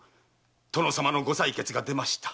殿様のご採決が出ました。